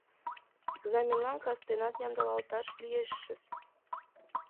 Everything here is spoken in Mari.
Экзаменлан кастенат ямдылалташ лиешыс.